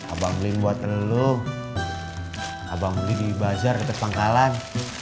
abang beliin buat lo abang beli di bazar di pangkalan